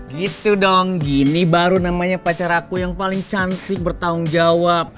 gitu dong gini baru namanya pacar aku yang paling cantik bertanggung jawab